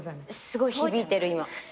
すごい響いてる今。